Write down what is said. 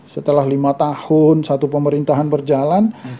setelah lima tahun satu pemerintahan berjalan